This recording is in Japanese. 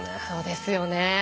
そうですよね。